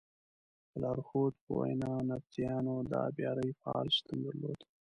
د لارښود په وینا نبطیانو د ابیارۍ فعال سیسټم درلود.